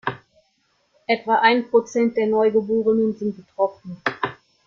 Etwa ein Prozent der Neugeborenen sind betroffen.